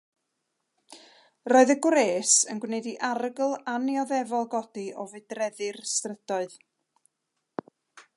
Roedd y gwres yn gwneud i arogl annioddefol godi o fudreddi'r strydoedd.